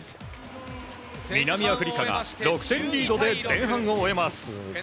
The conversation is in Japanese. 南アフリカが６点リードで前半を終えます。